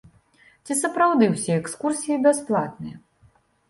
Ці сапраўды ўсе экскурсіі бясплатныя?